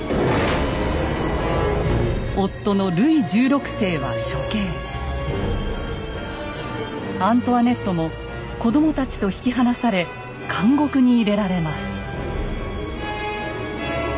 夫のアントワネットも子どもたちと引き離され監獄に入れられます。